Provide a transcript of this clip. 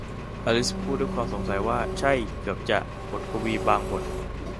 อลิซพูดด้วยความสงสัยว่า ใช่ เกือบจะ บทกวีบางบท